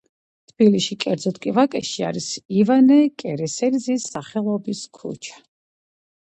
თბილისში, კერძოდ კი ვაკეში, არის ივანე კერესელიძის სახელობის ქუჩა.